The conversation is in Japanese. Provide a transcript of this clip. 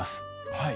はい。